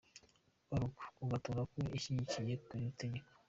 org ugatora ko ushyigikiye iri tegeko.